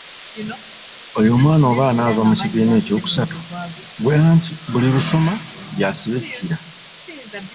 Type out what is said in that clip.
"Oyo omwana oba anaava mu kibiina eky’okusatu, ggwe anti buli lusoma y'asiba ekkira."